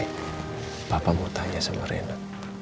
eh papa mau tanya sama rena